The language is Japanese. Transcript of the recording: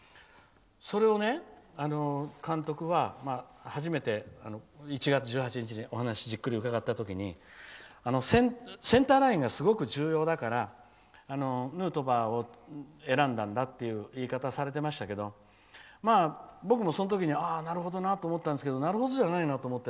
それを監督は初めて、１月１８日にお話をじっくり伺った時にセンターラインがすごく重要だからヌートバーを選んだんだという言い方をされてましたけど僕もその時、なるほどなと思ったんですけどなるほどじゃないなと思って。